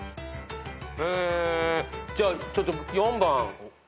えじゃあちょっと４番。